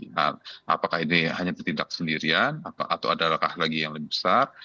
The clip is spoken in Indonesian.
nah apakah ini hanya bertindak sendirian atau adakah lagi yang lebih besar